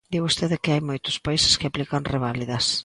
Di vostede que hai moitos países que aplican reválidas.